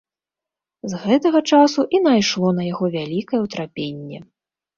З гэтага часу і найшло на яго вялікае ўтрапенне.